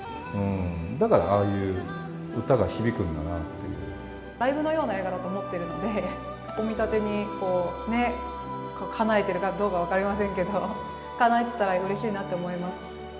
だからああいう、歌が響くんだなライブのような映画だと思ってるんで、お見立てにかなえてるかどうか分かりませんけど、かなえてたらうれしいなと思います。